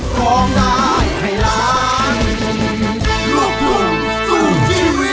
ขอบคุณครับ